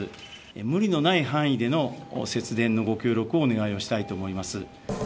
無理のない範囲での節電のご協力をお願いをしたいと思います。